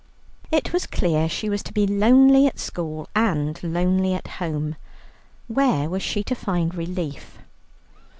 It was clear she was to be lonely at school and lonely at home. Where was she to find relief?